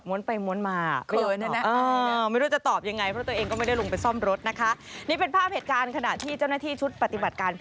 มีความรู้เรื่องรถถึงวันออกมาทันทีนะคะ